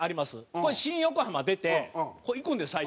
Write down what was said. これ新横浜出て行くんです最初。